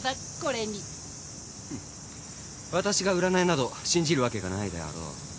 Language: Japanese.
フッ私が占いなど信じるわけがないであろう。